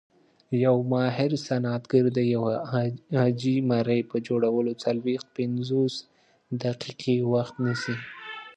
یو ماهر صنعتګر د یوې عاجي مرۍ په جوړولو څلويښت - پنځوس دقیقې وخت نیسي.